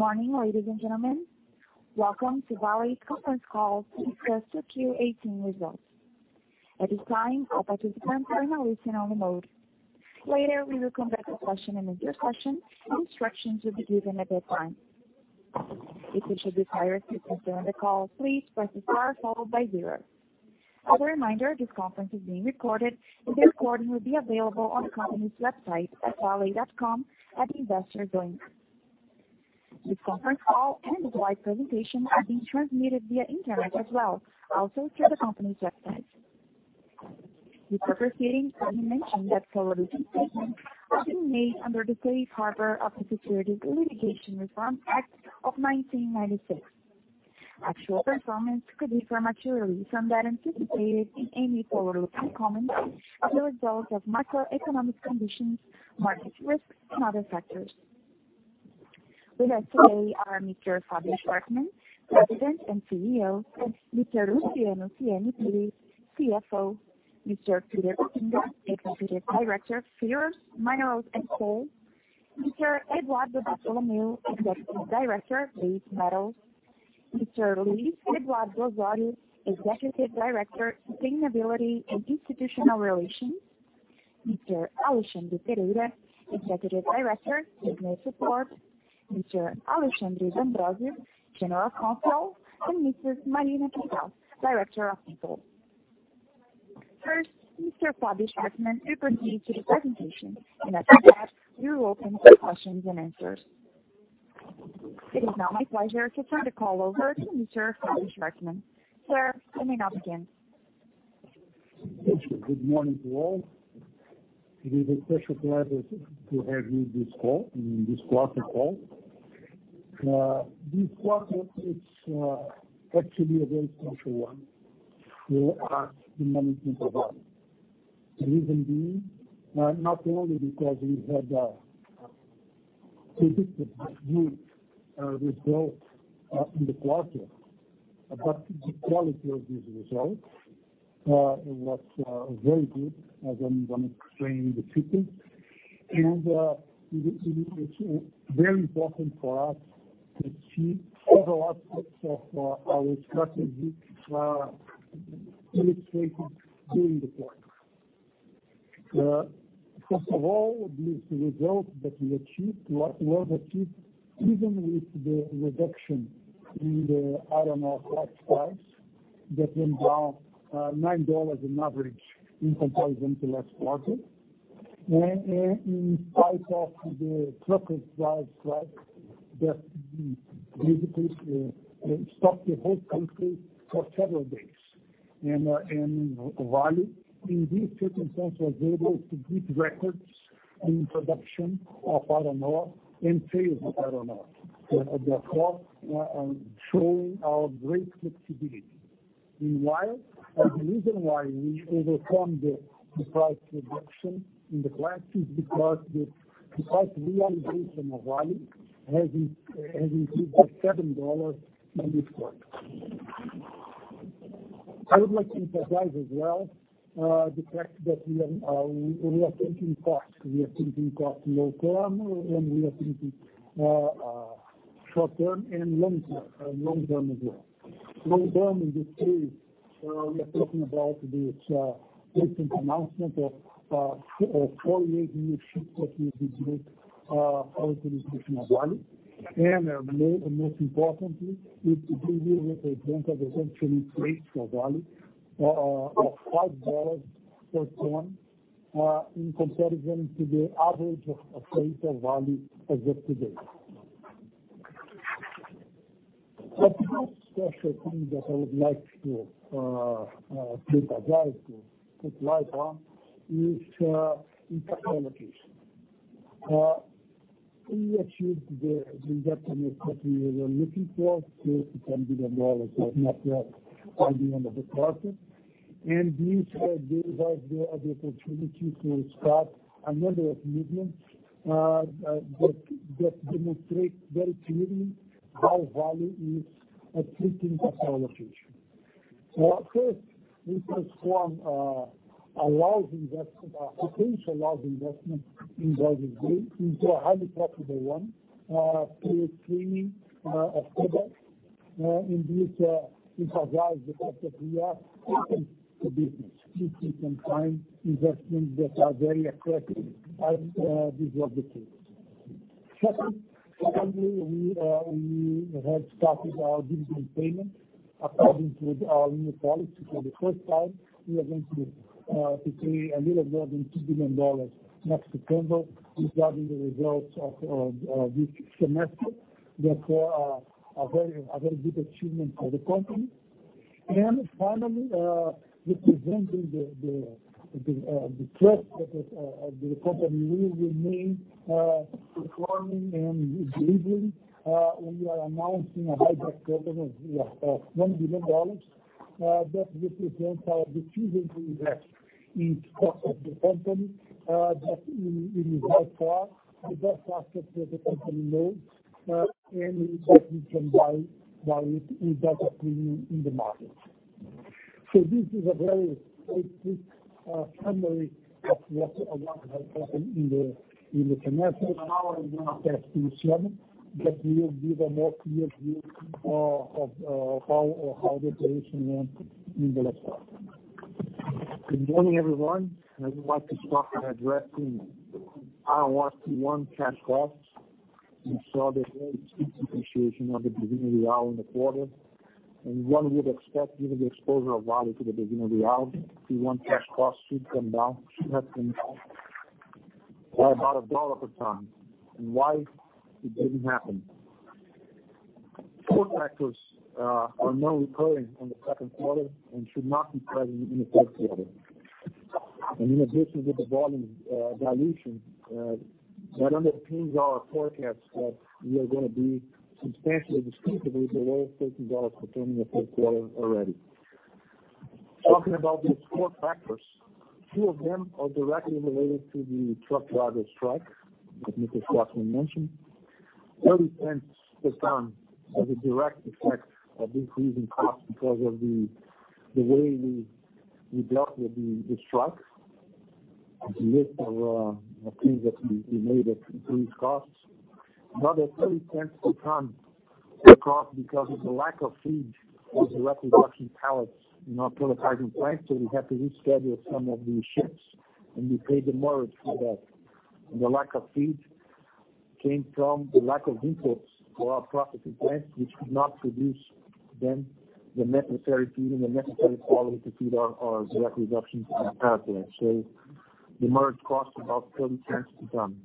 Morning, ladies and gentlemen. Welcome to Vale conference call to discuss the Q2 2018 results. At this time, all participants are in a listen-only mode. Later, we will conduct a question-and-answer session, and instructions will be given at that time. If you should desire to join the call, please press star followed by zero. As a reminder, this conference is being recorded, and the recording will be available on the company's website at vale.com at the investor zone. This conference call and slide presentation are being transmitted via internet as well, also through the company's website. Before proceeding, let me mention that forward-looking statements have been made under the Safe Harbor of the Private Securities Litigation Reform Act of 1995. Actual performance could differ materially from that anticipated in any forward-looking comments due a result of macroeconomic conditions, market risks, and other factors. With us today are Mr. Fabio Schvartsman, President and CEO, Mr. Luciano Siani Pires, CFO, Mr. Peter Poppinga, Executive Director of Ferrous and Coal, Mr. Eduardo Bartolomeo, Executive Director, Base Metals, Mr. Luiz Eduardo Osorio, Executive Director, Sustainability and Institutional Relations, Mr. Alexandre Pereira, Executive Director, Business Support, Mr. Alexandre D'Ambrosio, General Counsel, and Mrs. Marina Pinto, Director of People. First, Mr. Fabio Schvartsman will proceed to the presentation. After that, we will open for questions and answers. It is now my pleasure to turn the call over to Mr. Fabio Schvartsman. Sir, you may now begin. Thank you. Good morning to all. It is a special pleasure to have you in this call, in this quarter call. This quarter, it's actually a very special one for us, the management of Vale. The reason being, not only because we had a predicted good result in the quarter, but the quality of these results was very good, as I'm going to explain in detail. It's very important for us to achieve all the aspects of our strategy illustrated during the quarter. First of all, these results that we achieved were achieved even with the reduction in the iron ore spot price that went down BRL 9 in average in comparison to last quarter. In spite of the truck driver strike that basically stopped the whole country for several days. Vale, in these circumstances, was able to beat records in production of iron ore and sales of iron ore at the port, showing our great flexibility. Meanwhile, the reason why we overcome the price reduction in the quarter is because the realized price of Vale has increased by BRL 7 in this quarter. I would like to emphasize as well the fact that we are thinking cost. We are thinking cost long term, and we are thinking short term and long term as well. Long term in this case, we are talking about this recent announcement of a four-year new ship that we did with our division of Vale. Most importantly, it gives you a benefit essentially straight for Vale of BRL 5 per ton in comparison to the average of freighter Vale as of today. A third special thing that I would like to emphasize, to put light on, is in technologies. We achieved the investment that we were looking for, close to $10 billion of net debt by the end of the quarter. This gave us the opportunity to start a number of movements that demonstrate very clearly how Vale is approaching technology. First, we transformed a large investment, a potential large investment in Vale into a highly profitable one through screening of projects. This emphasizes the fact that we are open to business. We take some time, investments that are very attractive, and this was the case. Secondly, we have started our dividend payment according to our new policy. For the first time, we are going to pay a little more than $2 billion next September regarding the results of this semester. That's a very good achievement for the company. Finally, representing the trust that the company will remain performing and delivering, we are announcing a buyback program of $1 billion that represents our ability to invest in stocks of the company that in so far the best asset that the company knows, and that we can buy Vale with that premium in the market. This is a very quick summary of what has happened in the commercial. In an hour we will have Form Q7, that will give a more clear view of how the operation went in the last quarter. Good morning, everyone. I would like to start by addressing our Q1 cash costs. You saw the very steep depreciation of the Brazilian Real in the quarter, and one would expect, given the exposure of Vale to the Brazilian Real, Q1 cash costs should come down, should have come down by about BRL 1 per ton, and why it didn't happen. Four factors are now recurring in the second quarter and should not be present in the third quarter. In addition to the volume dilution, that underpins our forecast that we are going to be substantially, considerably below BRL 30 per ton in the third quarter already. Talking about these four factors, two of them are directly related to the truck driver strike that Mr. Schvartsman mentioned. BRL 0.30 per ton is a direct effect of increasing costs because of the way we dealt with the strike, and the list of things that we made increase costs. Another 0.30 per ton increase because of the lack of feed for the direct reduction pellets in our pelletizing plant, we had to reschedule some of the ships, and we paid the demurrage for that. The lack of feed came from the lack of inputs for our processing plants, which could not produce then the necessary feed and the necessary quality to feed our direct reduction in pellet plant. The demurrage cost about 0.30 per ton.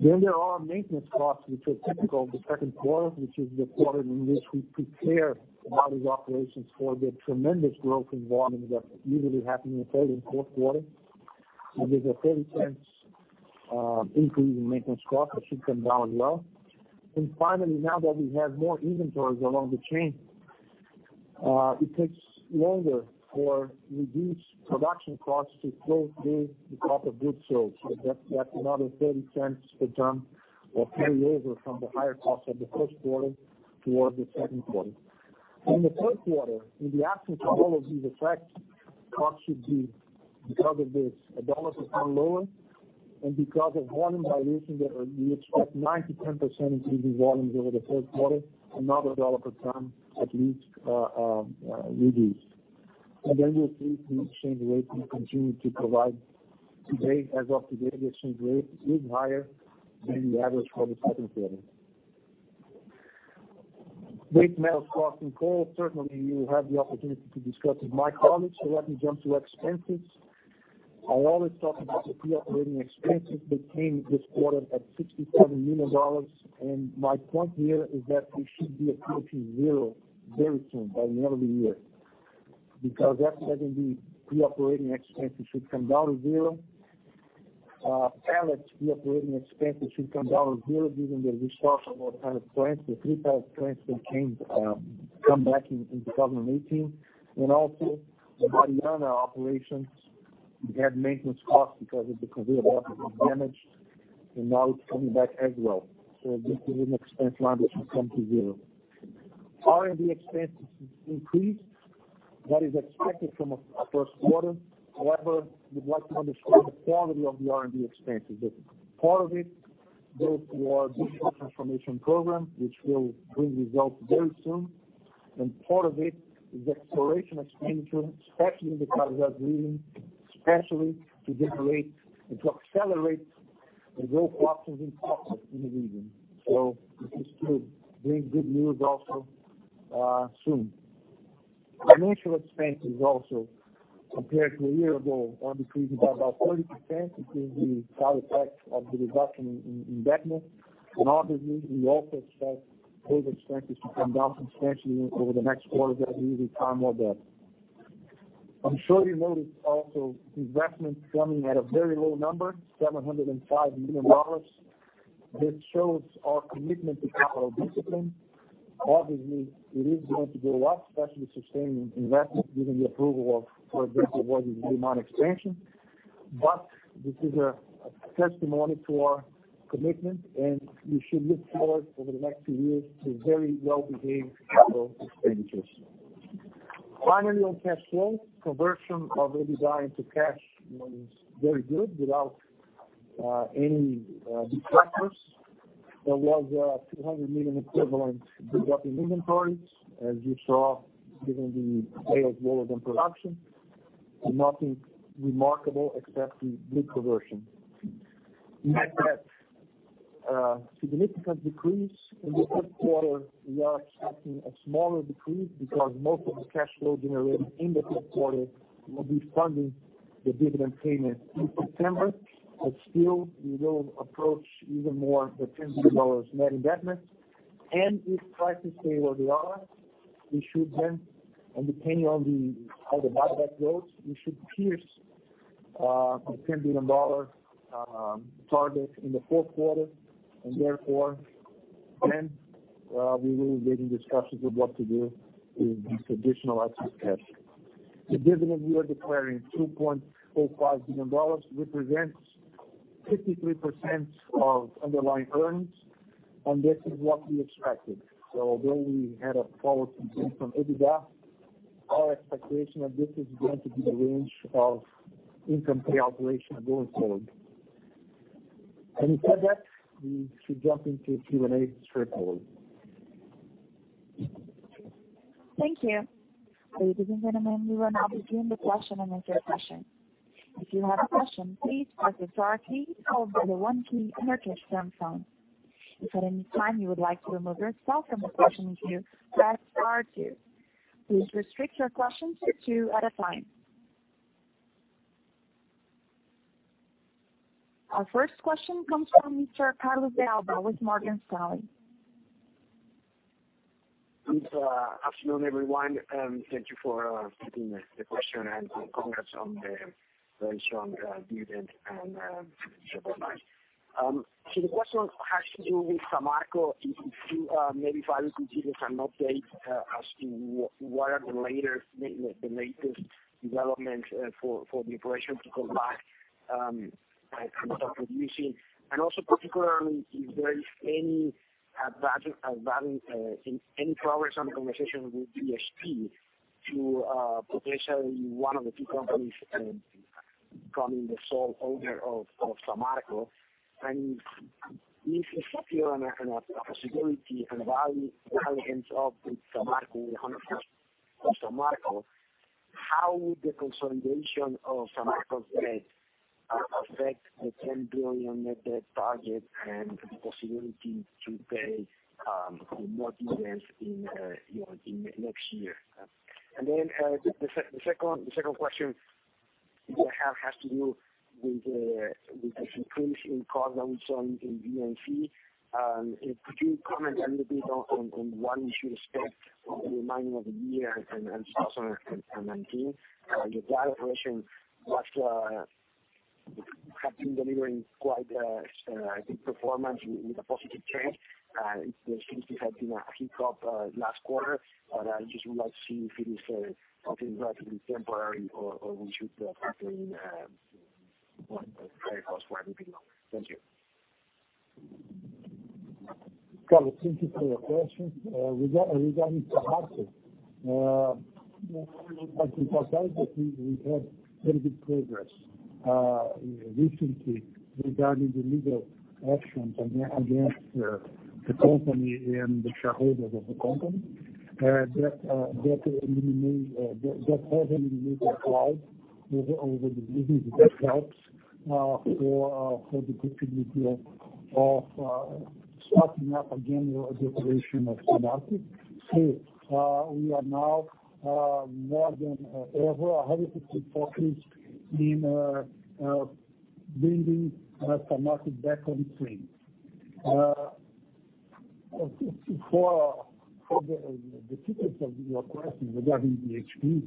There are maintenance costs, which are typical of the second quarter, which is the quarter in which we prepare Vale's operations for the tremendous growth in volume that usually happen in third and fourth quarter. There's a 0.30 increase in maintenance cost. That should come down well. Finally, now that we have more inventories along the chain, it takes longer for reduced production costs to flow through the proper good sales. That's another $0.30 per ton of carryover from the higher cost of the first quarter towards the second quarter. In the third quarter, in the absence of all of these effects, costs should be, because of this, $1 per ton lower. Because of volume dilution that we expect 9%-10% increase in volumes over the third quarter, another $1 per ton at least reduced. Then we'll see if the exchange rate will continue to provide. Today, as of today, the exchange rate is higher than the average for the second quarter. Base metals cost in coal, certainly you will have the opportunity to discuss with my colleagues. Let me jump to expenses. I always talk about the pre-operating expenses. They came this quarter at $67 million, my point here is that we should be approaching zero very soon, by the end of the year. S11D pre-operating expenses should come down to zero. Pellets pre-operating expenses should come down to zero given the restart of our pellet plants. The three pellet plants will come back in 2018. Also the Mariana operations, we had maintenance costs because of the conveyor belt was damaged, and now it's coming back as well. This is an expense line that should come to zero. R&D expenses increased. That is expected from a first quarter. However, we'd like to underscore the quality of the R&D expenses. That part of it goes toward digital transformation program, which will bring results very soon. Part of it is exploration expenditure, especially in the Carajás greenfields, especially to generate and to accelerate the growth options in copper in the region. This is to bring good news also soon. Financial expenses also, compared to a year ago, are decreasing by about 30%, which is the direct effect of the reduction in debt mix. Obviously, we also expect those expenses to come down substantially over the next quarters as we retire more debt. I'm sure you noticed also investment coming at a very low number, $705 million. This shows our commitment to capital discipline. Obviously, it is going to go up, especially sustaining investment, given the approval of, for example, what is the demand expansion. This is a testimony to our commitment, and we should look forward over the next few years to very well-behaved capital expenditures. Finally, on cash flow, conversion of our guidance to cash was very good without any detractors. There was a $200 million equivalent drop in inventories. As you saw, given the sales lower than production. Nothing remarkable except the good conversion. We had that significant decrease in the first quarter. We are expecting a smaller decrease because most of the cash flow generated in the third quarter will be funding the dividend payment in September. Still, we will approach even more the $10 billion net investment. If prices stay where they are, we should then, and depending on how the buyback goes, we should pierce the $10 billion target in the fourth quarter. Therefore then, we will be in discussions of what to do with these additional excess cash. The dividend we are declaring, $2.45 billion, represents 53% of underlying earnings, this is what we expected. Although we had a forward complete from EBITDA, our expectation of this is going to be the range of income per operation going forward. Having said that, we should jump into Q&A straight away. Thank you. Ladies and gentlemen, we will now begin the question and answer session. If you have a question, please press the star key followed by the one key on your touch-tone phone. If at any time you would like to remove yourself from the questions queue, press star two. Please restrict your questions to two at a time. Our first question comes from Mr. Carlos de Alba with Morgan Stanley. Good afternoon, everyone. Thank you for taking the question and congrats on the very strong dividend and results. The question has to do with Samarco. If you, maybe Fabio, could give us an update as to what are the latest developments for the operation to come back and start producing, also particularly if there is any progress on conversations with BHP to potentially one of the two companies becoming the sole owner of Samarco. If so, if you are in a kind of a possibility and Vale ends up with 100% of Samarco, how would the consolidation of Samarco's debt affect the 10 billion net debt target and the possibility to pay more dividends in next year? The second question that I have has to do with this increase in problems in VNC. Could you comment a little bit on what we should expect for the remaining of the year and 2019? The joint operation have been delivering quite a good performance with a positive trend. It seems to have been a hiccup last quarter, but I just would like to see if it is something relatively temporary or we should factor in higher cost for everything now. Thank you. Carlos, thank you for your question. Regarding Samarco, I have to tell you that we have very good progress recently regarding the legal actions against the company and the shareholders of the company. That has eliminated a cloud over the business. That helps for the good behavior of starting up again the operation of Samarco. We are now more than ever 100% focused in bringing Samarco back on stream. For the second of your question regarding BHP,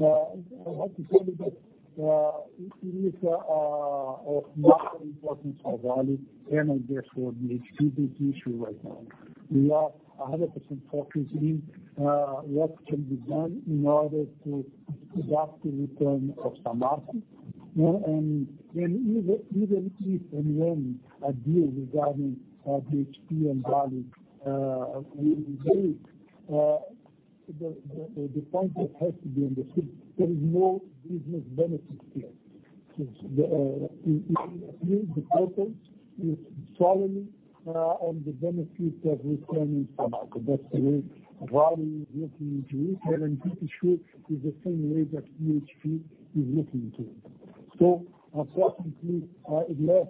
I have to tell you that it is of maximum importance for Vale and I guess for BHP this issue right now. We are 100% focused in what can be done in order to have the return of Samarco. Even if and when a deal regarding BHP and Vale will be made, the point that has to be understood, there is no business benefit here. If we agree, the purpose is solely on the benefit of returning Samarco. That's the way Vale is looking into it, and I'm pretty sure is the same way that BHP is looking into it. Unfortunately, it's less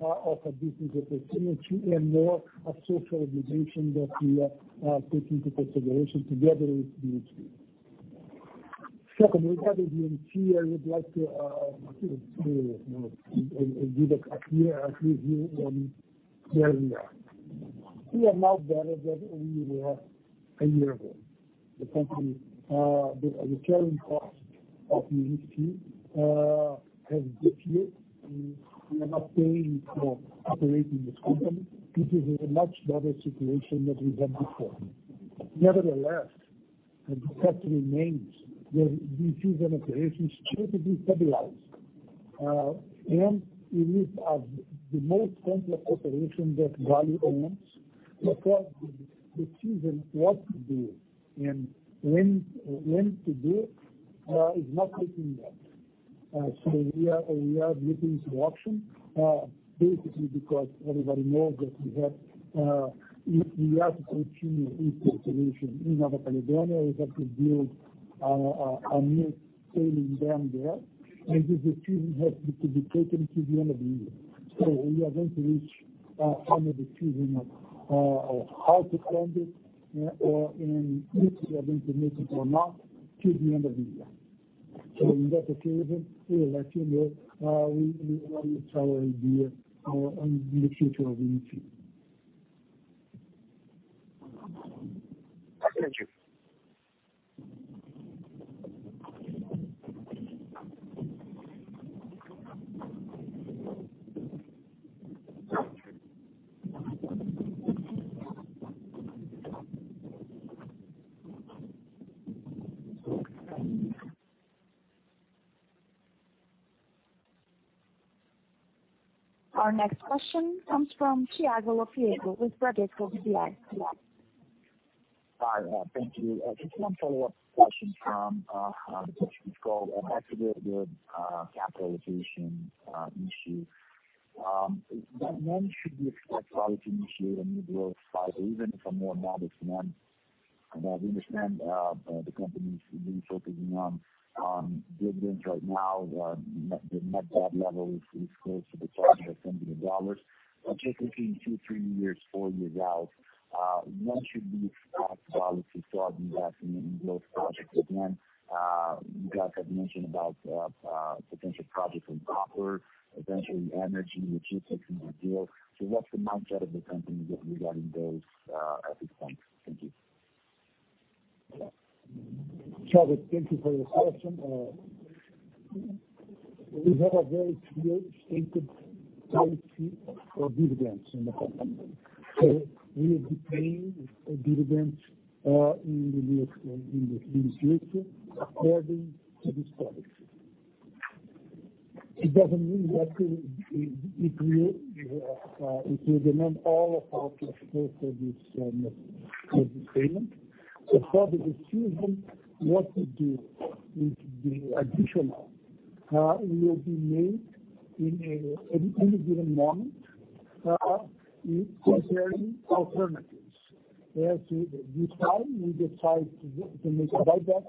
of a business opportunity and more a social obligation that we are taking into consideration together with BHP. Second, regarding VNC, I would like to give a clear review on where we are. We are now better than we were a year ago. The current cost of VNC has depleted. We are not paying for operating this company. This is a much better situation than we had before. Nevertheless, the fact remains that this is an operation still to be stabilized. It is the most complex operation that Vale owns because the choosing what to do and when to do it is not easy at all. We are looking to auction, basically because everybody knows that we have to continue this operation in New Caledonia. We have to build a new tailings dam there, and this decision has to be taken till the end of the year. We are going to reach a final decision of how to fund it, and if we are going to make it or not till the end of the year. In that occasion, we will let you know our final idea on the future of VNC. Okay, thank you. Our next question comes from Thiago Lofiego with Bradesco BBI. Hi. Thank you. Just one follow-up question from the question we called, that's a very good capitalization issue. When should we expect Vale to initiate a new growth cycle, even if a more modest one? We understand the company's really focusing on dividends right now. The net debt level is close to the target of BRL 70. Just looking two, three, four years out, when should we expect Vale to start investing in growth projects again? You guys have mentioned about potential projects in copper, potentially energy, which is actually ideal. What's the mindset of the company regarding those at this point? Thank you. Thiago, thank you for this question. We have a very clear stated policy for dividends in the company. We have been paying dividends in this year according to this policy. It doesn't mean that it will remain all of our cash flow for this payment. For the decision, what we do with the additional will be made in any given moment comparing alternatives. This time, we decided to make a buyback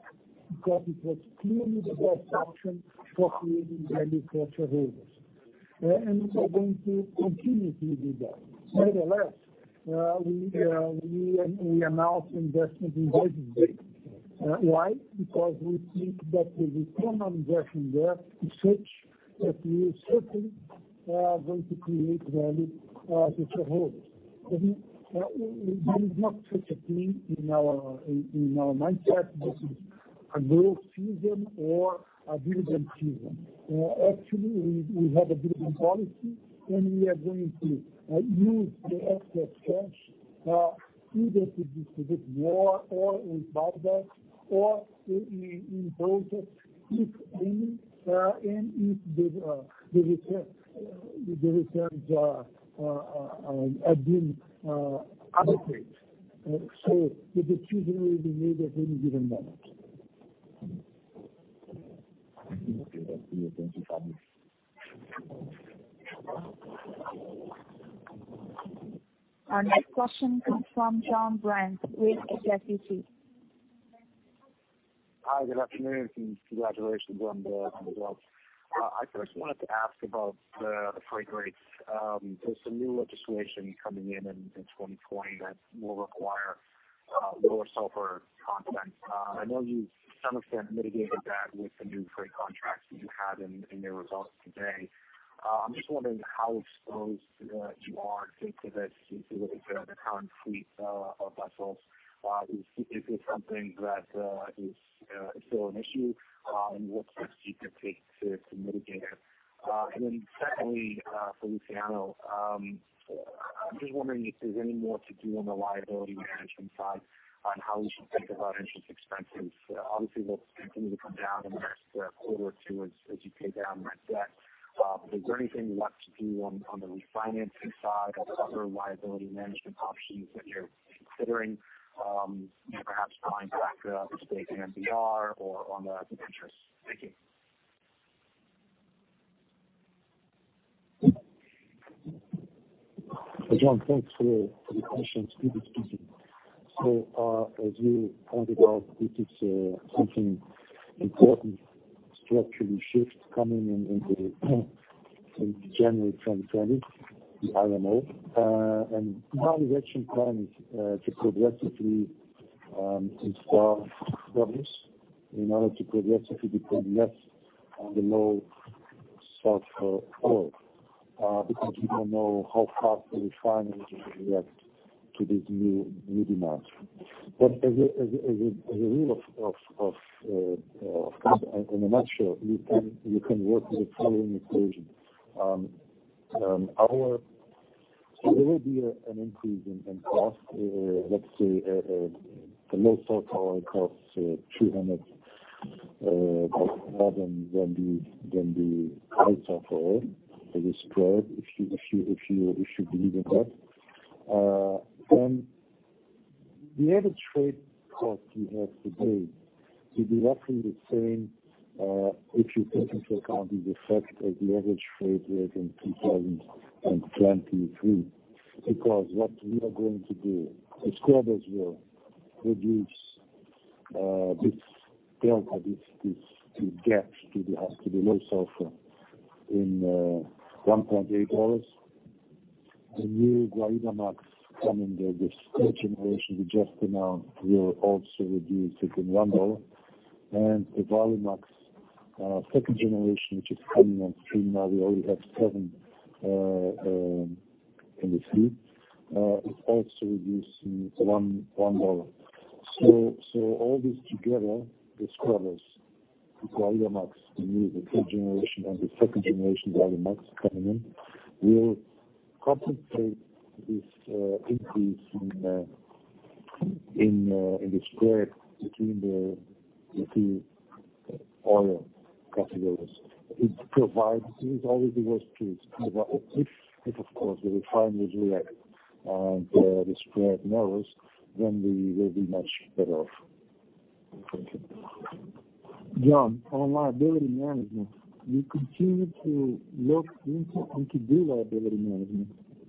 because it was clearly the best option for creating value for shareholders. We are going to continue to do that. Nevertheless, we announced investment in hydrogen. Why? Because we think that the return on investment there is such that we certainly are going to create value for shareholders. There is not such a thing in our mindset. This is a growth season or a dividend season. Actually, we have a dividend policy, we are going to use the excess cash either to distribute more or in buyback or in both if the returns are deemed adequate. The decision will be made at any given moment. Okay. That's clear. Thank you, Fabio. Our next question comes from Jonathan Brandt with HSBC. Hi, good afternoon, congratulations on the results. I first wanted to ask about the freight rates. There's some new legislation coming in in 2020 that will require lower sulfur content. I know you've to some extent mitigated that with the new freight contracts that you have in your results today. I'm just wondering how exposed you are to this in terms of the current fleet of vessels. Is this something that is still an issue, and what steps you could take to mitigate it? Secondly, for Luciano, I'm just wondering if there's any more to do on the liability management side on how we should think about interest expenses. Obviously, they'll continue to come down in the next quarter or two as you pay down that debt. Is there anything left to do on the refinancing side or other liability management options that you're considering perhaps buying back the state the MBR or on the debentures? Thank you. John, thanks for the questions. It is easy. As you pointed out, this is something important structurally shift coming in January 2020, the IMO. Our direction plan is to progressively install scrubbers in order to progressively depend less on the low sulfur oil, because we don't know how fast the refineries will react to this new demand. As a rule of thumb, in a nutshell, you can work with the following equation. There will be an increase in cost, let's say, the low sulfur oil costs $300 more than the high sulfur oil, or the spread, if you believe in that. The average freight cost we have today will be roughly the same, if you take into account the effect of the average freight rate in 2023. Because what we are going to do, the scrubbers will reduce this delta, this gap to the low sulfur in $1.8. The new Valemax coming, the third generation we just announced, will also reduce it in $1. The Valemax second generation, which is coming on stream now, we already have seven in the fleet. It's also reducing $1. All this together, the scrubbers, the Valemax, the new, the third generation and the second generation Valemax coming in, will compensate this increase in the spread between the oil categories. It provides, it is always the worst case. If, of course, the refinery react and the spread narrows, we will be much better off. Thank you. John, on liability management, we continue to look into and to do liability management.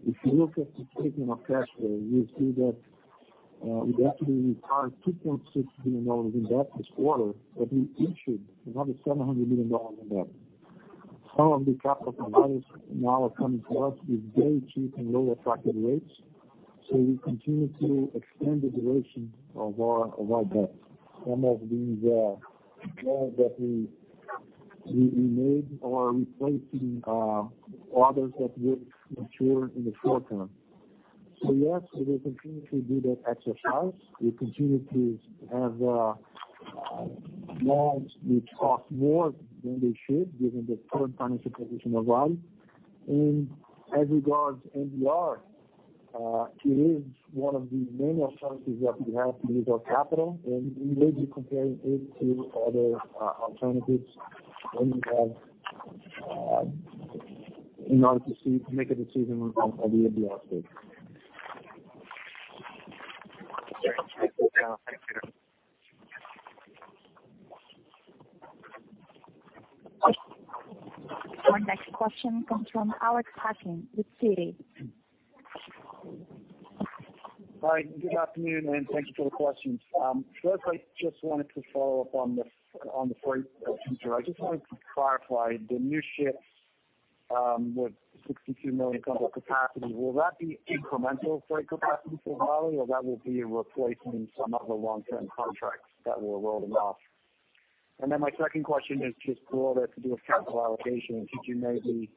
If you look at the statement of cash flow, you see that we actually retired $2.6 billion in debt this quarter, but we issued another $700 million in debt. Some of the capital providers now are coming to us with very cheap and low attractive rates. We continue to extend the duration of our debt. Some of these loans that we made are replacing others that will mature in the short term. Yes, we will continue to do that exercise. We continue to have loans which cost more than they should given the current financial position of Vale. As regards MBR, it is one of the many options that we have to use our capital, and we will be comparing it to other alternatives that we have in order to make a decision on the MBR space. Thanks, Peter. Our next question comes from Alex Hacking with Citi. Hi, good afternoon. Thank you for the questions. First, I just wanted to follow up on the freight question. I just wanted to clarify, the new ships with 62 million tons of capacity, will that be incremental freight capacity for Vale, or that will be replacing some of the long-term contracts that were rolled off? My second question is just related to the capital allocation. Could you maybe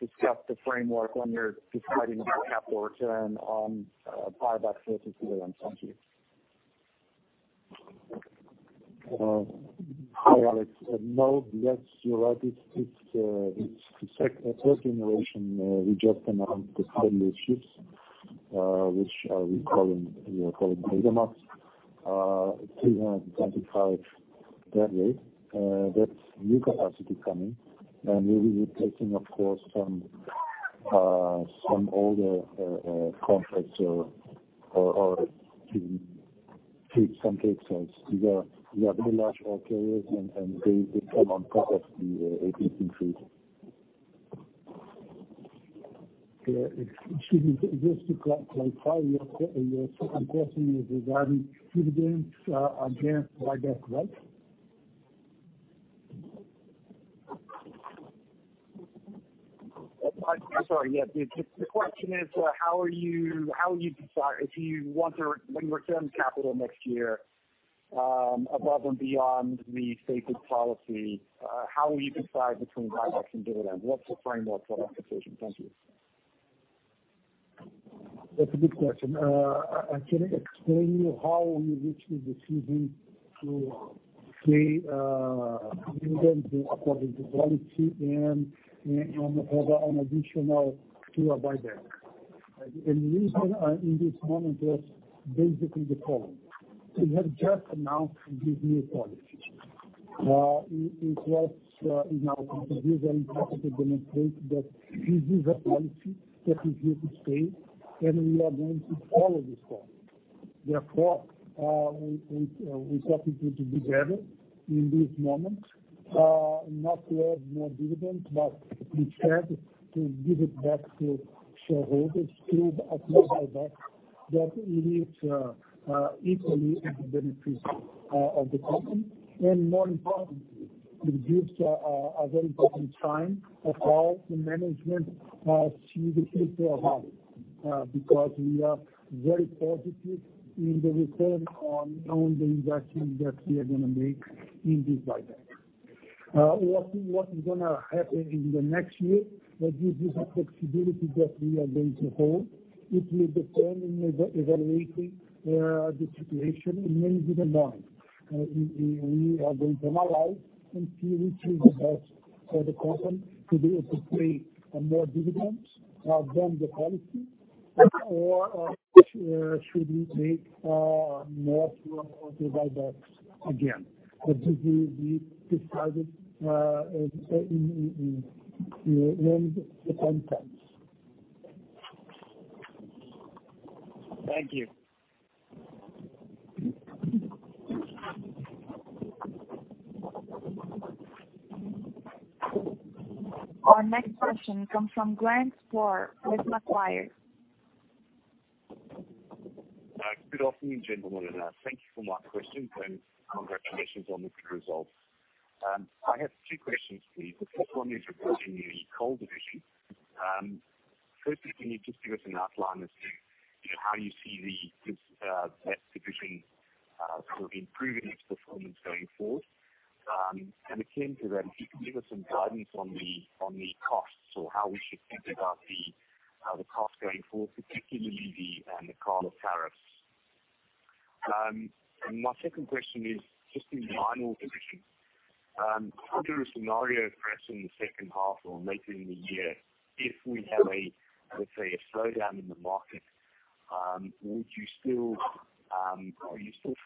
discuss the framework when you're deciding on capital return on buybacks versus dividends? Thank you. Hi, Alex. No. Yes, you're right. It's the third generation. We just announced the value of ships, which we are calling Valemax. 325 deadweight. That's new capacity coming. We will be replacing, of course, some older contracts or even some Capesizes. These are very large bulk carriers. They come on top of the 18 fleet. Excuse me. Just to clarify your second question is regarding dividends against buyback, right? I'm sorry. Yes. The question is, when you return capital next year above and beyond the stated policy, how will you decide between buybacks and dividends? What's the framework for that decision? Thank you. That's a good question. I can explain to you how we reached the decision to pay dividends according to policy and an additional two buyback. The reason in this moment was basically the following. We have just announced this new policy. It was in our interest to demonstrate that this is a policy that is here to stay. We are going to follow this path. Therefore, we thought it would be better in this moment not to have more dividends, but instead to give it back to shareholders through a buyback that it is equally at the benefit of the company. More importantly, it gives a very important sign of how the management sees the future of Vale. Because we are very positive in the return on the investment that we are going to make in this buyback. What is going to happen in the next year, that this is a flexibility that we are going to hold. It will depend on evaluating the situation in maybe the month. We are going to analyze and see which is the best for the company, to be able to pay more dividends than the policy or should we make more to buybacks again. This will be decided in the coming times. Thank you. Our next question comes from Grant Sporre with Macquarie. Good afternoon, gentlemen. Thank you for my questions, and congratulations on the good results. I have two questions for you. The first one is regarding the coal division. Firstly, can you just give us an outline as to how you see that division sort of improving its performance going forward? When it came to that, if you can give us some guidance on the costs or how we should think about the costs going forward, particularly the carbon tariffs. My second question is just in the iron ore division. Under a scenario, perhaps in the second half or later in the year, if we have, let's say, a slowdown in the market, are you still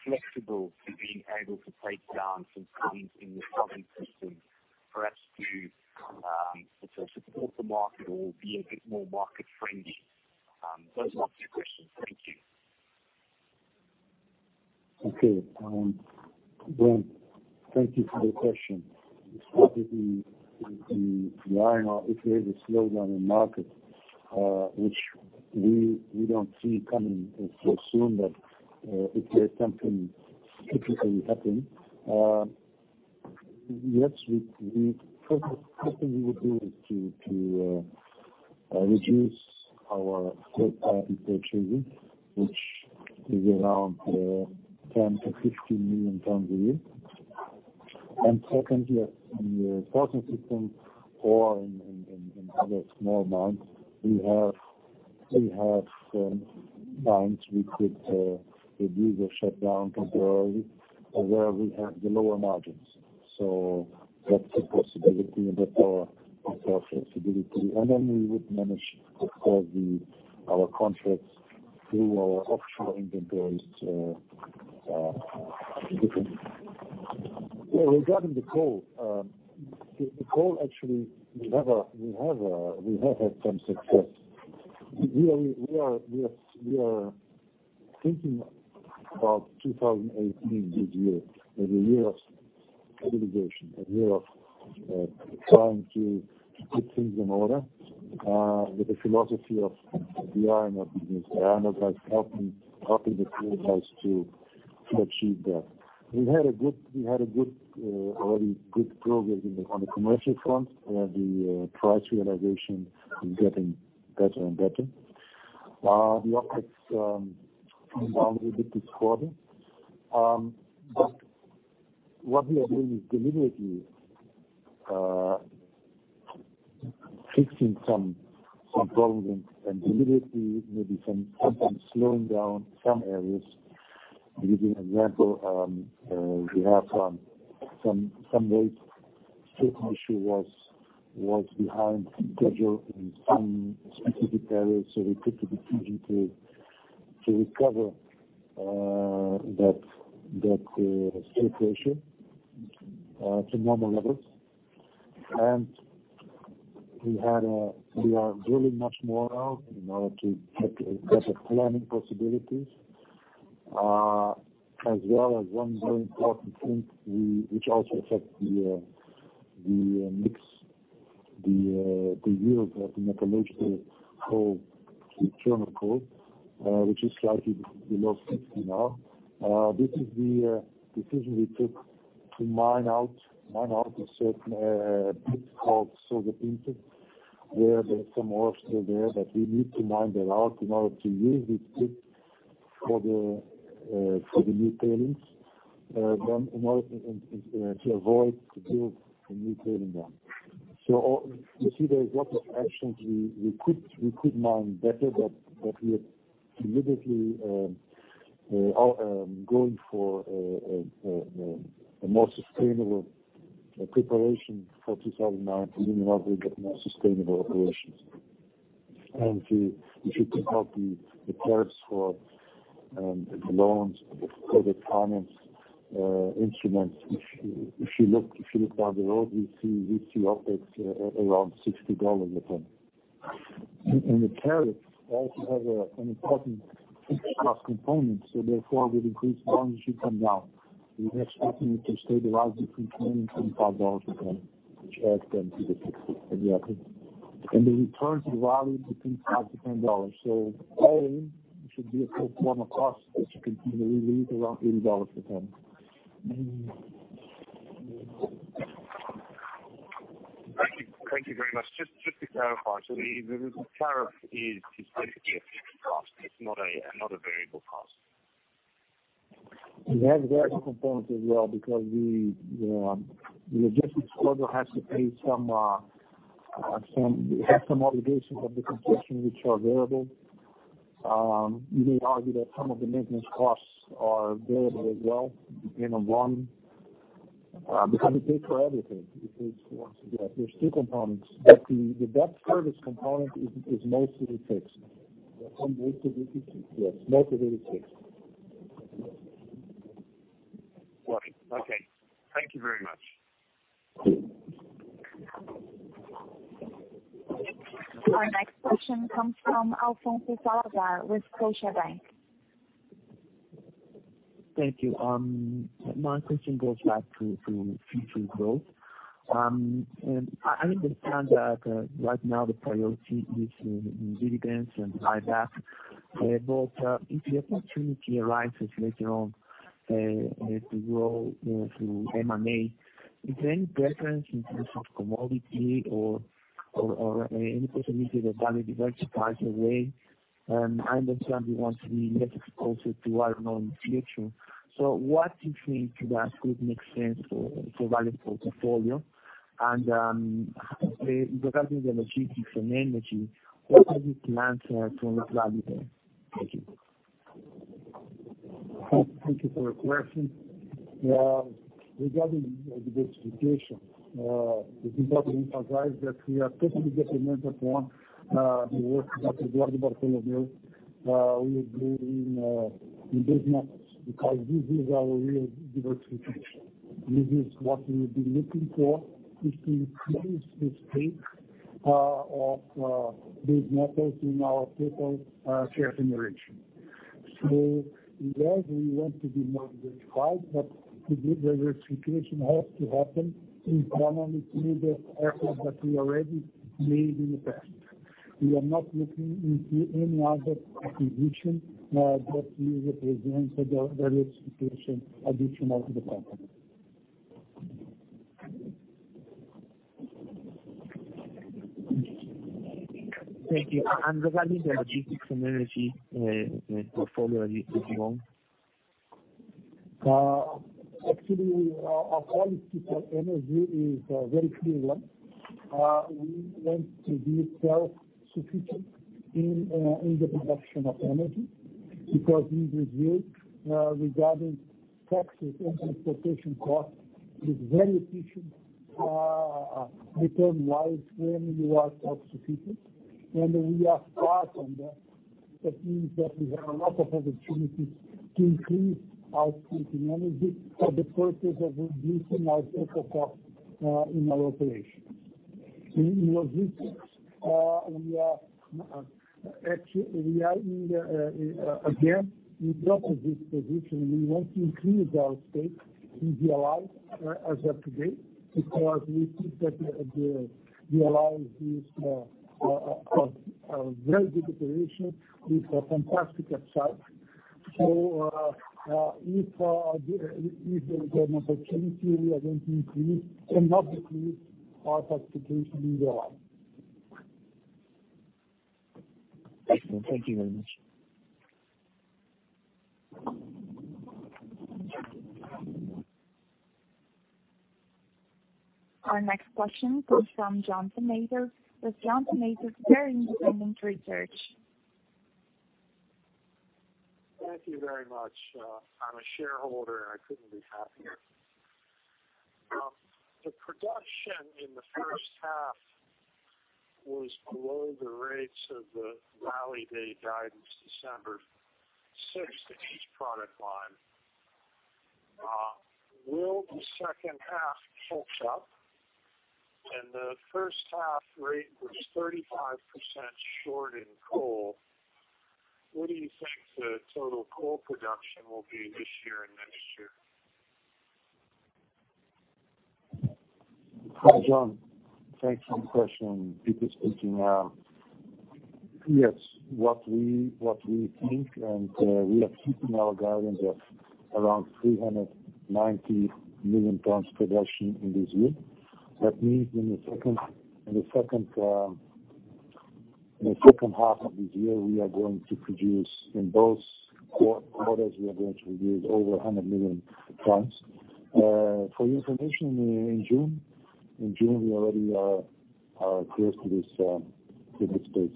flexible in being able to take down some things in your processing system, perhaps to support the market or be a bit more market-friendly? Those are my two questions. Thank you. Okay. Grant, thank you for the question. Specifically, in the iron ore, if there is a slowdown in the market, which we don't see coming so soon, but if there's something typically happen, yes, first thing we would do is to reduce our third-party purchases, which is around 10 million-15 million tons a year. Secondly, in the processing system or in other small mines, we have mines we could reduce or shut down temporarily where we have the lower margins. That's a possibility, but our flexibility. Then we would manage, of course, our contracts through our offshore inventories differently. Regarding the coal, actually, we have had some success. We are thinking about 2018 this year as a year of consolidation, a year of trying to put things in order with the philosophy of the iron ore business. Iron ore guys helping the coal guys to achieve that. We had already good progress on the commercial front, where the price realization is getting better and better. The OpEx comes down a little bit this quarter. What we are doing is deliberately fixing some problems and deliberately maybe sometimes slowing down some areas. I'll give you an example. We have some late safety issue was behind schedule in some specific areas, we took the decision to recover that situation to normal levels. We are drilling much more out in order to have better planning possibilities. As well as one very important thing which also affect the mix, the use of the metallurgical coal to thermal coal, which is slightly below 50 now. This is the decision we took to mine out a certain bit called "so the point" where there's some ore still there that we need to mine that out in order to use this pit for the new tailings, in order to avoid to build a new tailings dam. You see there is lots of actions we could mine better, we are deliberately going for a more sustainable preparation for 2019 in order to get more sustainable operations. If you take out the tariffs for the loans, for the finance instruments, if you look down the road, we see OpEx around BRL 60 a ton. The tariffs also have an important fixed cost component, therefore, with increased loans, it should come down. We are expecting it to stabilize between 20 and BRL 25 a ton, which adds then to the 60 exactly. The return to Vale between 5 to BRL 10. All in, it should be a total cost, as you can see, really is around BRL 80 a ton. Thank you very much. Just to clarify, the tariff is basically a fixed cost. It is not a variable cost. It has variable components as well because the logistics also has to pay some obligations of the concession which are variable. You may argue that some of the maintenance costs are variable as well, depending on one, because it pays for everything. It pays for everything. There are two components, but the debt service component is mostly fixed. Mostly fixed. Yes, mostly fixed. Right. Okay. Thank you very much. Our next question comes from Alfonso Salazar with Scotiabank. Thank you. My question goes back to future growth. I understand that right now the priority is in dividends and buyback, if the opportunity arises later on to grow through M&A, is there any preference in terms of commodity or any possibility that Vale diversifies away? I understand you want to be less exposed to iron ore in the future. What do you think that could make sense for Vale portfolio? Regarding the logistics and energy, what are your plans to improve that again? Thank you for your question. Regarding the diversification, it's important to emphasize that we are totally determined that the work that is already being done. We are growing in base metals because this is our real diversification. This is what we've been looking for, is to increase the stake of base metals in our total share generation. Yes, we want to be more diversified, to do diversification has to happen internally through the effort that we already made in the past. We are not looking into any other acquisition that will represent a diversification additional to the company. Thank you. Regarding the logistics and energy portfolio going. Actually, of all these people, energy is a very clear one. We want to be self-sufficient in the production of energy because this is huge regarding taxes and transportation costs. It's very efficient return wise when you are self-sufficient, and we are far from that. That means that we have a lot of opportunities to increase our output in energy for the purpose of reducing our CapEx cost in our operations. In logistics, again, we dropped this position. We want to increase our stake in VLI as of today because we think that VLI is a very good operation with fantastic upside. If there is an opportunity, we are going to increase and not decrease our participation in VLI. Excellent. Thank you very much. Our next question comes from John Tomasic with John Tomasic Very Independent Research. Thank you very much. I'm a shareholder, and I couldn't be happier. The production in the first half was below the rates of the Vale Day guided December 6 in each product line. Will the second half catch up? The first half rate was 35% short in coal. What do you think the total coal production will be this year and next year? Hi, John. Thanks for the question. Peter speaking. Yes, what we think, and we are keeping our guidance of around 390 million tons production in this year. That means in the second half of this year, we are going to produce, in both quarters, we are going to produce over 100 million tons. For your information, in June, we already are close to this pace.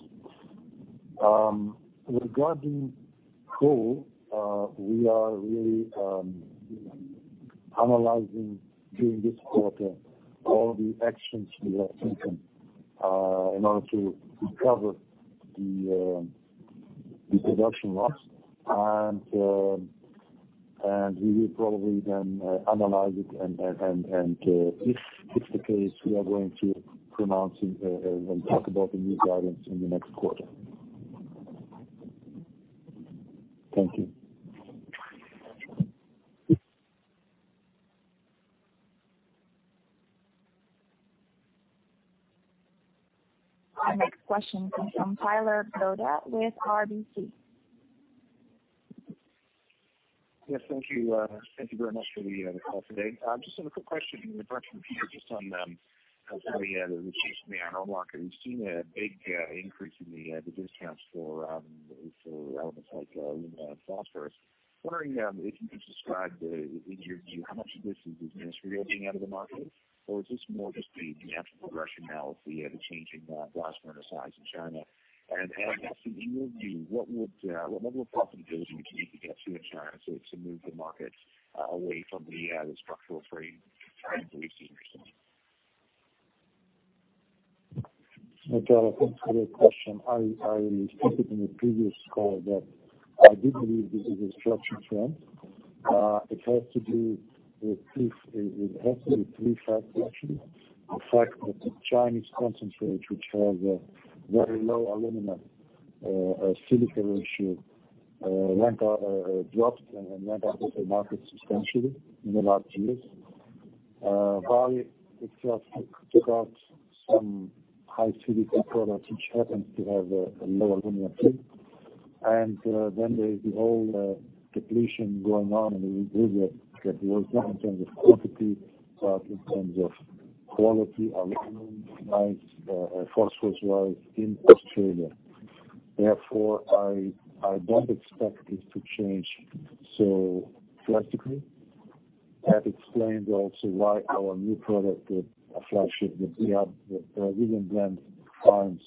Regarding coal, we are really analyzing during this quarter all the actions we have taken in order to recover the production loss. We will probably then analyze it, and if it's the case, we are going to pronounce and talk about the new guidance in the next quarter. Thank you. Our next question comes from Tyler Broda with RBC. Thank you. Thank you very much for the call today. Just have a quick question with reference to just on the recent iron ore market. We've seen a big increase in the discounts for elements like phosphorus. Wondering if you could describe, in your view, how much of this is Minas-Rio being out of the market, or is this more just the natural progression now of the changing blast furnace size in China? Just in your view, what will profitability need to get to in China so as to move the market away from the structural frame we've seen recently? Tyler, thanks for your question. I spoke in the previous call that I do believe this is a structural trend. It has to do with actually three factors. The fact that the Chinese concentrate, which has a very low aluminum silica ratio, dropped and went out of the market substantially in the last years. Vale itself took out some high silica product, which happens to have a low aluminum too. Then there is the whole depletion going on in the river that was not in terms of quantity, but in terms of quality, aluminum wise, phosphorus wise in Australia. I don't expect this to change so drastically. That explains also why our new product, the flagship that we have, the Premium Blend Fines,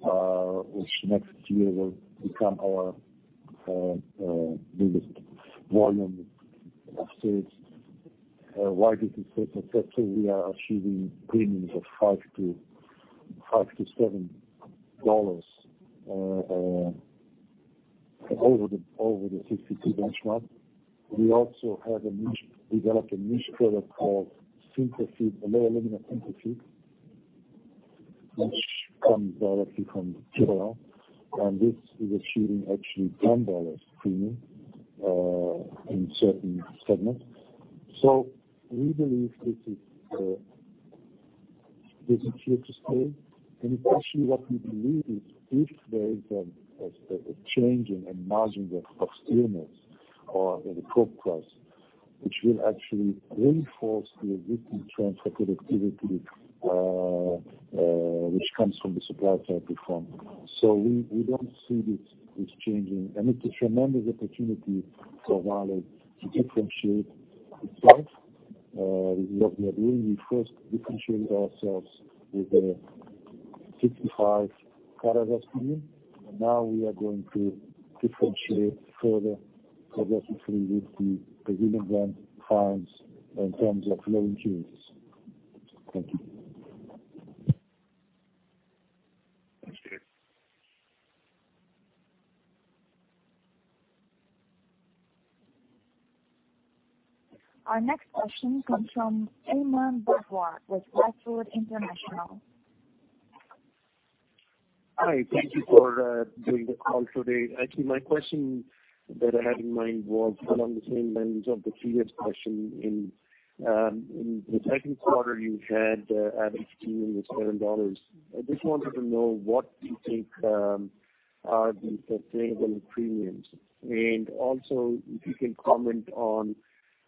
which next year will become our biggest volume of sales, why is it so successful? We are achieving premiums of 5 to BRL 7 over the 62 benchmark. We also developed a new product called sinter feed, a low aluminum sinter feed, which comes directly from the trail, and this is achieving actually BRL 10 premium in certain segments. Actually, what we believe is if there is a change in the margin of steel mills or in the coke price, which will actually reinforce the existing trend for connectivity which comes from the supply side performance. We don't see this changing, and it's a tremendous opportunity for Vale to differentiate itself. This is what we are doing. We first differentiate ourselves with the 65 product premium. Now we are going to differentiate further progressively with the Premium Blend Fines in terms of low impurities. Thank you. Thank you. Our next question comes from Aman Barwar with Rystad Energy. Hi. Thank you for doing the call today. Actually, my question that I had in mind was along the same lines of the previous question. In the second quarter, you had average premium of BRL 7. I just wanted to know what you think are the sustainable premiums. Also, if you can comment on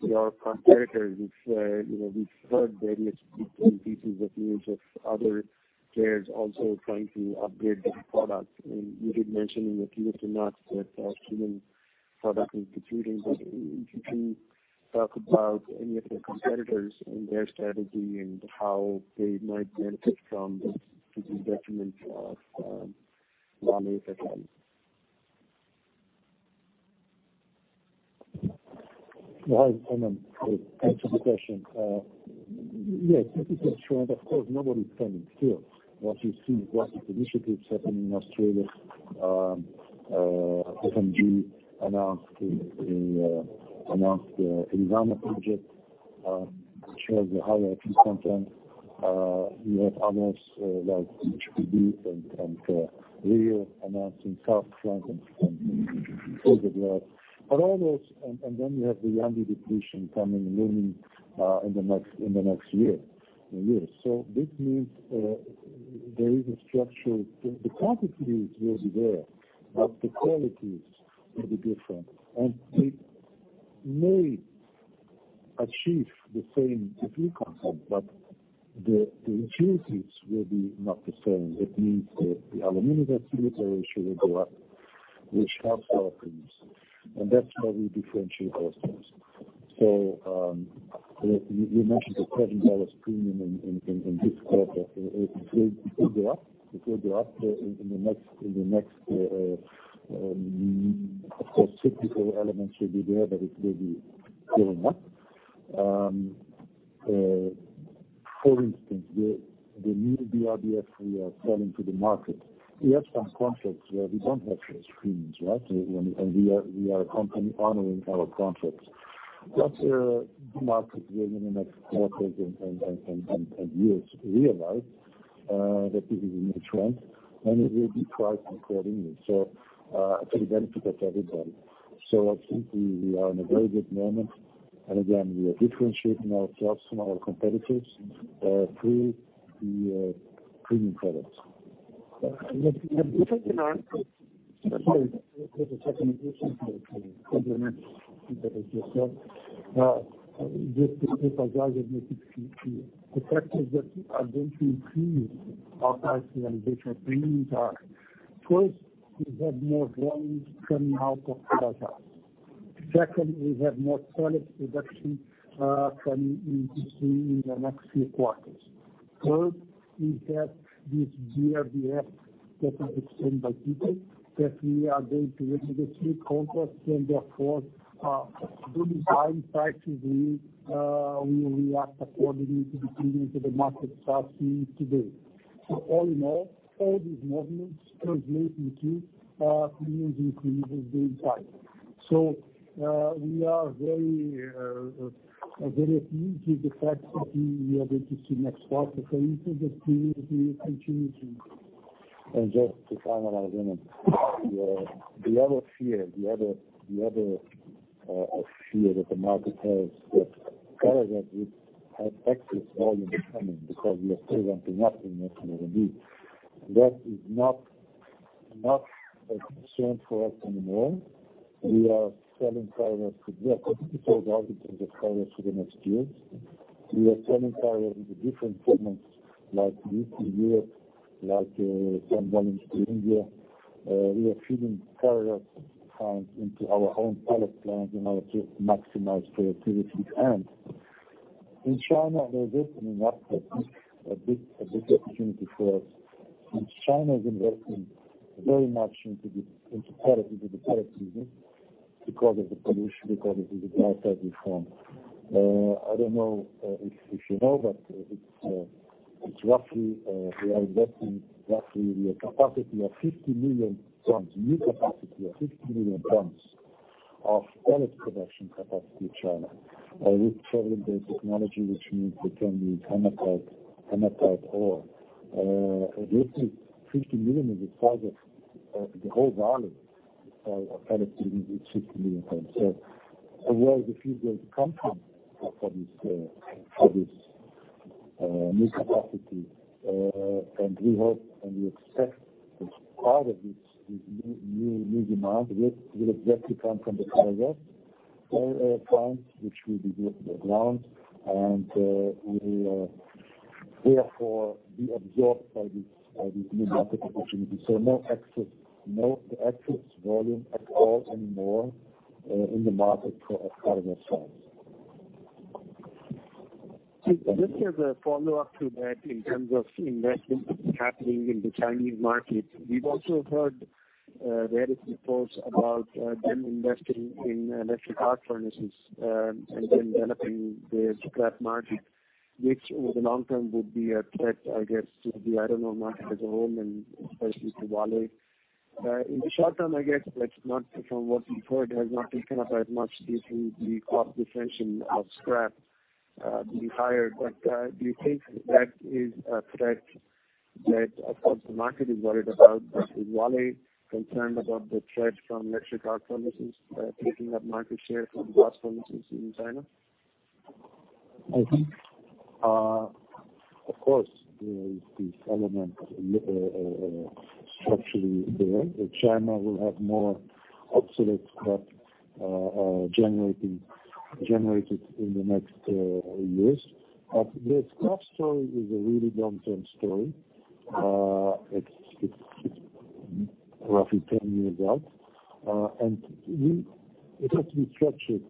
your competitors, we've heard various bits and pieces of news of other players also trying to upgrade their products. You did mention in the Q2 notes that our premium product is [re-rating]. If you can talk about any of the competitors and their strategy and how they might benefit from the detriment of Vale, if any. Hi, Aman. Thanks for the question. Yes, this is true. Of course, nobody is standing still. What you see is lots of initiatives happening in Australia. FMG announced the Eliwana project, which has a higher iron content. You have others like BHP and Rio announcing South Flank and Koodaideri. You have the Yandi depletion coming looming in the next year. This means the quantities will be there, but the qualities will be different. It may achieve the same premium content, but the impurities will be not the same. It means that the aluminum activity ratio will go up, which helps our premiums. That's where we differentiate ourselves. You mentioned a BRL 10 premium in this quarter. It will go up. In the next, of course, 64 elements will be there, but it will be going up. For instance, the new BRBF we are selling to the market. We have some contracts where we don't have those premiums, right? We are a company honoring our contracts. Once the market will in the next quarters and years realize that this is a new trend, then it will be priced accordingly. It will benefit everybody. I think we are in a very good moment. Again, we are differentiating ourselves from our competitors through the premium products. Just to complement what Peter just said. Just to clarify what Peter said. The factors that are going to increase our iron grades and premiums are, first, we have more volumes coming out of S11. Second, we have more product production coming in the next few quarters. Third, we have this BRBF that is being [well-received] that we are going to enter into three contracts and therefore those iron prices will react accordingly to the premium that the markets are seeing today. All in all these movements translate into premiums increasing going forward. We are very at ease with the fact that we are going to see next quarter going into the premium will continue to increase. Just to finalize, the other fear that the market has that Carajás would have excess volume coming because we are still ramping up in the S11D. That is not a concern for us anymore. We are selling product. We are completely sold out in terms of products for the next year. We are selling product in different segments, like EAF in Europe, like some volumes to India. We are feeding pellet plants into our own pellet plants in order to maximize productivity. In China, there is, in our segment, a big opportunity for us. China is investing very much into the pellet business because of the pollution, because of the decarbonization. I don't know if you know, but they are investing roughly a capacity of 50 million tons, new capacity of 50 million tons of pellet production capacity in China, with traveling grate technology, which means they can use hematite ore. At least 50 million is the size of the whole Vale of pellet business, is 50 million tons. Where is the feed going to come from for this new capacity? We hope, and we expect that part of this new demand will exactly come from the pellet plants which will be built on the ground, and will therefore be absorbed by this new market opportunity. No excess volume at all anymore in the market for our customers. Just as a follow-up to that, in terms of investment happening in the Chinese market, we've also heard various reports about them investing in electric arc furnaces and them developing the scrap market, which over the long term would be a threat, I guess, to the iron ore market as a whole and especially to Vale. In the short term, I guess, from what we've heard, it has not taken up as much due to the cost differential of scrap to be higher. Do you think that is a threat that, of course, the market is worried about? Is Vale concerned about the threat from electric arc furnaces taking up market share from blast furnaces in China? Of course, there is this element structurally there, that China will have more obsolete scrap generated in the next years. This scrap story is a really long-term story. It's roughly 10 years out, and it has to be structured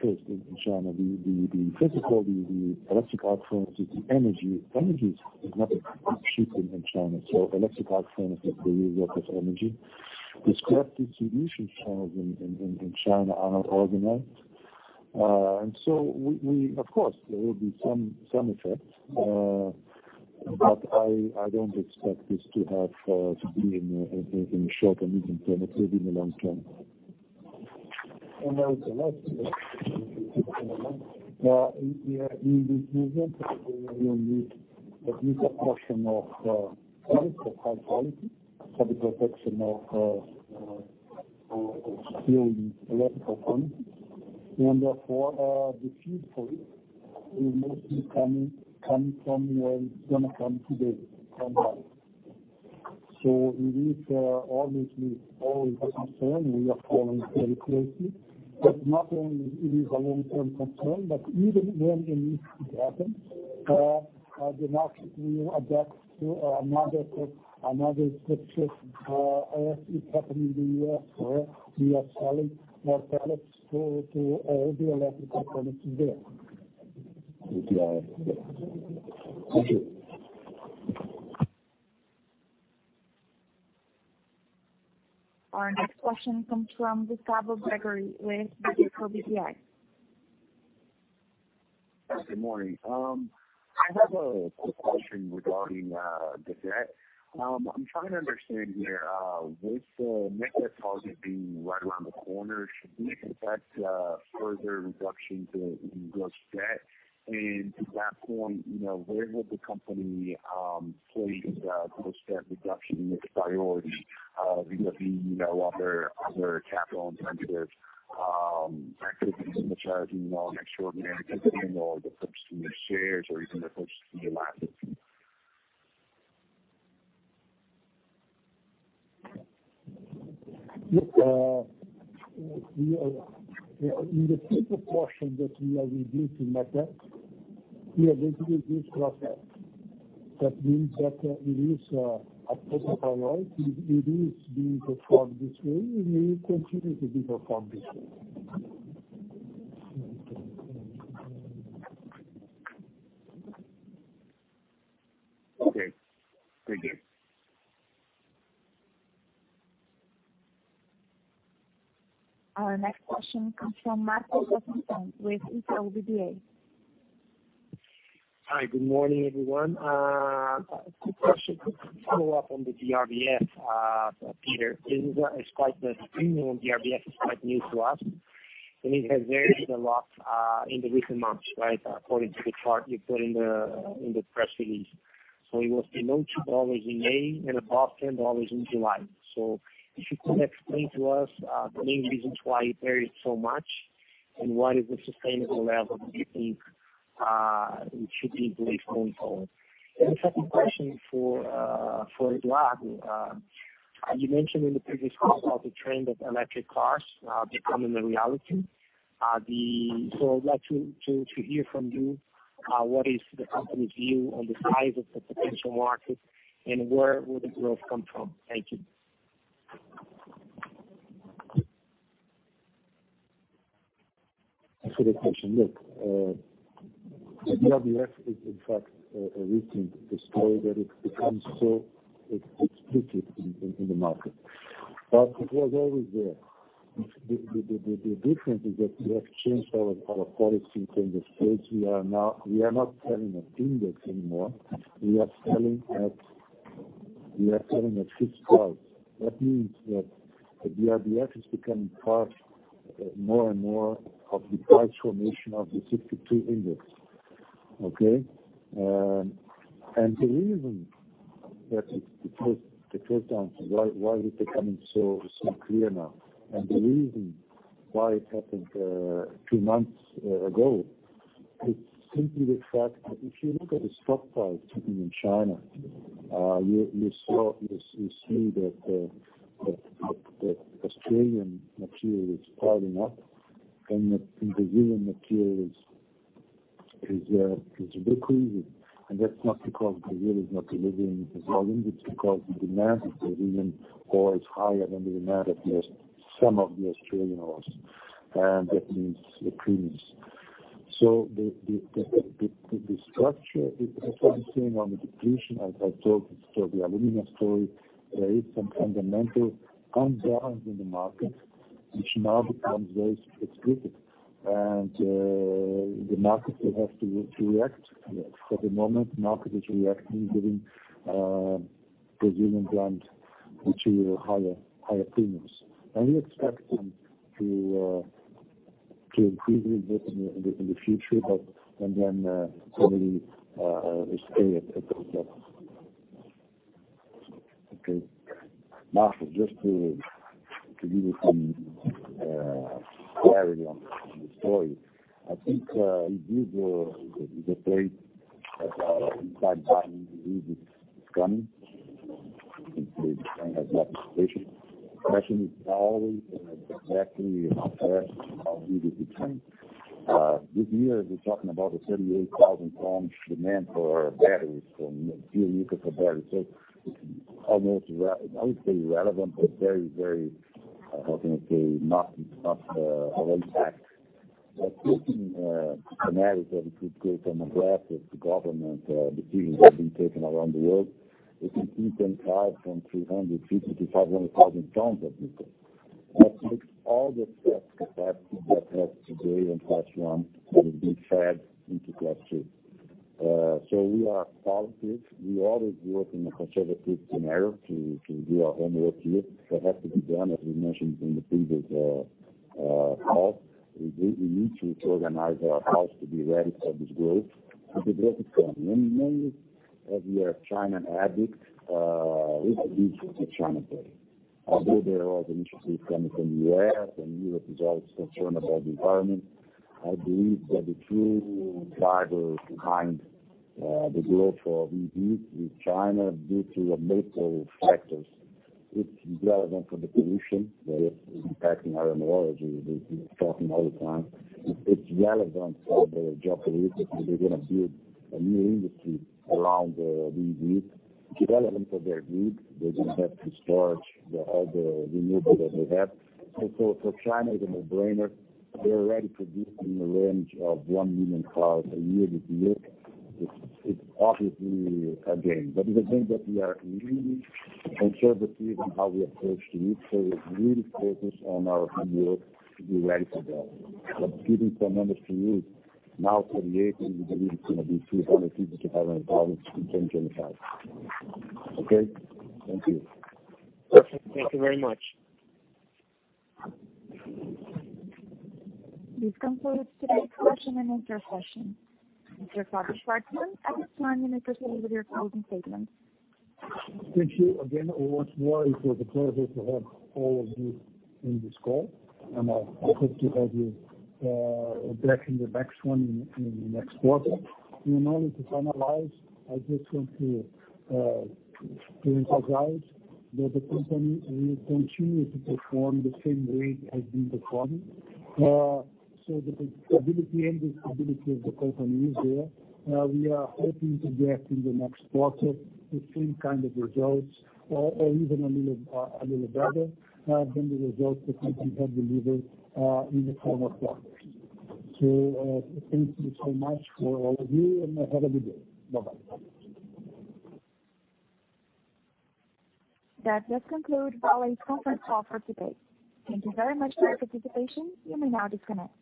first in China. The physical, the electric arc furnaces, the energy. Energy is another big issue in China, so electric arc furnaces really work with energy. The scrap distribution channels in China are not organized. So of course, there will be some effect, but I don't expect this to be in the short and medium term. It will be in the long term. Also lastly, in the short term, we will need a bigger portion of pellets of high quality for the protection of steel in electrical furnaces, and therefore, the feed for it will mostly come from where it's going to come today, from Vale. We read all this with all the concern. We are following very closely. Not only it is a long-term concern, but even when it happens, the market will adapt to another structure, as is happening in the U.S., where we are selling more pellets to all the electrical furnaces there. Thank you. Our next question comes from Gustavo Bechara with BTG Pactual. Good morning. I have a quick question regarding the debt. I'm trying to understand here, with the net debt target being right around the corner, should we expect further reduction in gross debt? To that point, where will the company place gross debt reduction in its priority vis-a-vis other capital alternatives, activities such as an extraordinary dividend or the purchase of new shares or even the purchase of new assets? In the bigger portion that we are reducing net debt, we are basically reducing gross debt. That means that it is a positive rollout. It is being performed this way and will continue to be performed this way. Okay, thank you. Our next question comes from Marcos Costa Santos with Itaú BBA. Hi, good morning, everyone. A quick question to follow up on the BRBF, Peter. The premium on BRBF is quite new to us, and it has varied a lot in the recent months, right? According to the chart you put in the press release. It was below $2 in May and above $10 in July. If you could explain to us the main reasons why it varied so much. What is the sustainable level that you think it should be going forward? The second question for Eduardo. You mentioned in the previous call about the trend of electric cars now becoming a reality. I'd like to hear from you, what is the company's view on the size of the potential market, and where will the growth come from? Thank you. Thanks for the question. The BRBF is in fact a recent story that it's become so explicit in the market. It was always there. The difference is that we have changed our policy in terms of sales. We are not selling at index anymore. We are selling at fixed price. That means that the BRBF is becoming part more and more of the price formation of the 62 index. Okay. The reason that it's the first time, why it's becoming so clear now, and the reason why it happened two months ago, it's simply the fact that if you look at the stockpiles sitting in China, you see that the Australian material is piling up and the Brazilian material is decreasing. That's not because Brazil is not delivering. It's all because the demand for Brazilian ore is higher than the demand of the sum of the Australian ores, and that means the premiums. The structure is actually the same on the depletion as I told the aluminum story. There is some fundamental unbalance in the market, which now becomes very explicit. The market will have to react. For the moment, the market is reacting, giving Brazilian blend material higher premiums. We expect them to increase a bit in the future, but then probably stay at those levels. Okay. Marco, just to give you some clarity on the story. I think it is the case that impact battery EV is coming. I think the trend has a lot of potential. The question is always exactly how fast and how big is the trend? This year, we're talking about a 38,000 ton demand for batteries, for future of batteries. It's almost, I would say relevant, but very, how can I say, not a lot of impact. Looking scenario that we could create on the back of the government decisions that are being taken around the world, it can easily rise from 350,000 to 500,000 tons of nickel. That takes all the excess capacity that we have today in class 1 that will be fed into class 2. We are positive. We always work in a conservative scenario to do our homework here. It has to be done, as we mentioned in the previous call. We need to organize our house to be ready for this growth because growth is coming. Many of you are China addicts. This is a China play. Although there are initiatives coming from U.S. and Europe is always concerned about the environment, I believe that the true driver behind the growth of EVs is China due to multiple factors. It's relevant for the pollution that is impacting our. We talk all the time. It's relevant for their geopolitics that they're going to build a new industry around EVs. It's relevant for their grid. They're going to have to store all the renewable that they have. For China, it's a no-brainer. They already produce in the range of 1 million cars a year with EVs. It's obviously a game, but it's a game that we are really conservative in how we approach to it. We're really focused on our homework to be ready for that. Giving some numbers to you, now 38, and we believe it's going to be 350,000-500,000 in 2025. Okay. Thank you. Perfect. Thank you very much. This concludes today's question and answer session. Mr. Fabio Schvartsman, at this time you may proceed with your closing statements. Thank you again once more. It was a pleasure to have all of you in this call, and I hope to have you back in the next one in the next quarter. In order to finalize, I just want to emphasize that the company will continue to perform the same rate as we've been performing. The ability and stability of the company is there. We are hoping to get in the next quarter the same kind of results or even a little better than the results that we have delivered in the former quarters. Thank you so much for all of you, and have a good day. Bye-bye. That does conclude Vale's conference call for today. Thank you very much for your participation. You may now disconnect.